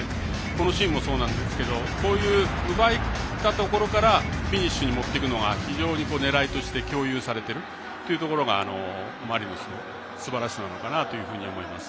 このシーンもそうなんですけどこういう奪ったところからフィニッシュに持っていくのが非常にねらいとして共有されてるというところがマリノスのすばらしさなのかなというところです。